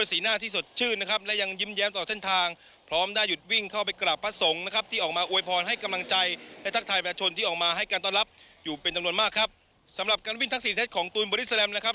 สำหรับการวิ่งทั้ง๔เซตของตูนบริสแลมนะครับ